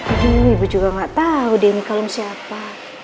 aduh ibu juga gak tau deh ini kalung siapa